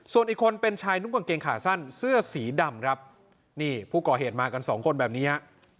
ส่วนอีกคนเป็นชายนุ่งกางเกงขาสั้นเสื้อสีดำครับนี่ผู้ก่อเหตุมากันสองคนแบบนี้ฮะ